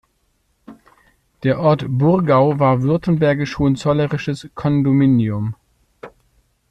Der Ort Burgau war württembergisch-hohenzollerisches Kondominium.